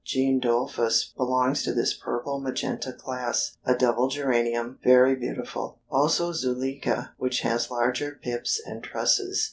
Jean Dolfus belongs to this purple magenta class, a double geranium, very beautiful. Also Zuleika, which has larger pips and trusses.